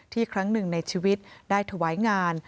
ครั้งหนึ่งในชีวิตได้ถวายงาน